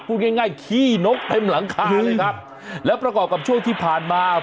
พูดง่ายง่ายขี้นกเต็มหลังคาเลยครับแล้วประกอบกับช่วงที่ผ่านมา